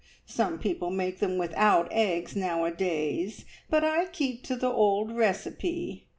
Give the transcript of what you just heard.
Some people make them without eggs nowadays, but I keep to the old recipe.